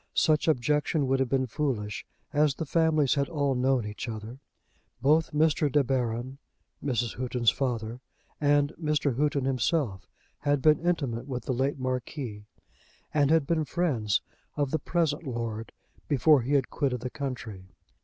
Such objection would have been foolish, as the families had all known each other. Both Mr. De Baron, Mrs. Houghton's father, and Mr. Houghton himself, had been intimate with the late marquis, and had been friends of the present lord before he had quitted the country.